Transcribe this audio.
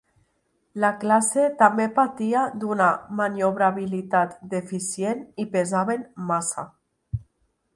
La classe també patia d'una maniobrabilitat deficient i pesaven massa.